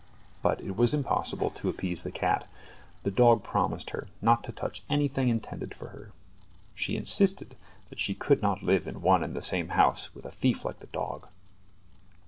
But it was impossible to appease the cat. The dog promised her not to touch anything intended for her. She insisted that she could not live in one and the same house with a thief like the dog.